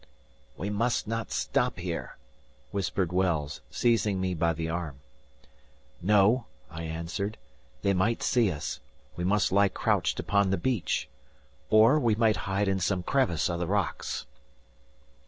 "We must not stop here," whispered Wells, seizing me by the arm. "No," I answered, "they might see us. We must lie crouched upon the beach! Or we might hide in some crevice of the rocks."